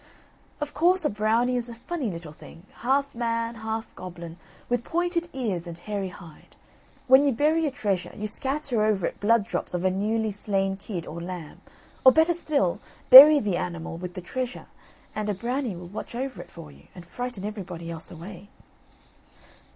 Of course a Brownie is a funny little thing, half man, half goblin, with pointed ears and hairy hide. When you bury a treasure, you scatter over it blood drops of a newly slain kid or lamb, or, better still, bury the animal with the treasure, and a Brownie will watch over it for you, and frighten everybody else away.